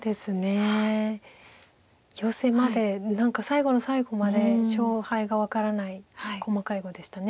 ヨセまで何か最後の最後まで勝敗が分からない細かい碁でした。